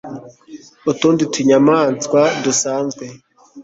utundi tunyamaswa dusanzwe